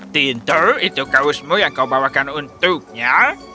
tinto itu kaosmu yang kau bawakan untuknya